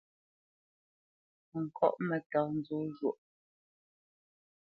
Mǝ ŋkɔ́ʼ mǝ́tá nzó shwô.